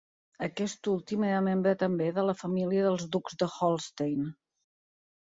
Aquest últim era membre també de la família dels ducs de Holstein.